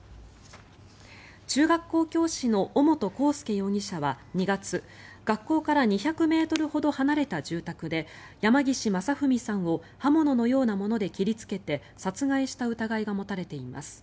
中学校教師の尾本幸祐容疑者は２月学校から２００ｍほど離れた住宅で山岸正文さんを刃物のようなもので切りつけて殺害した疑いが持たれています。